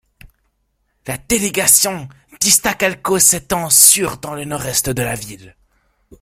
La délégation d'Iztacalco s'étend sur dans le nord-est de la ville.